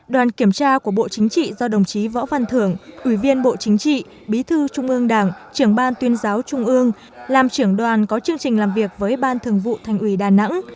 đoàn kiểm tra của bộ chính trị do đồng chí võ văn thưởng ủy viên bộ chính trị bí thư trung ương đảng trưởng ban tuyên giáo trung ương làm trưởng đoàn có chương trình làm việc với ban thường vụ thành ủy đà nẵng